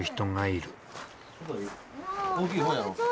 大きい方やろ？